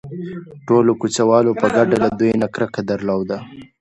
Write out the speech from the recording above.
ټولو کوڅه والو په ګډه له دوی نه کرکه درلوده.